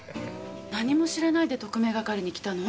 何も知らないで特命係に来たの？